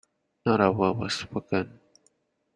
Not a word was spoken.